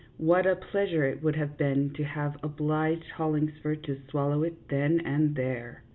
What a pleasure it would have been to have obliged Hollingsford to swallow it then and there